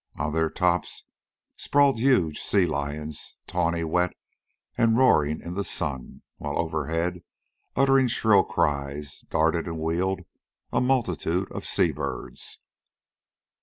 On their tops sprawled huge sea lions tawny wet and roaring in the sun, while overhead, uttering shrill cries, darted and wheeled a multitude of sea birds.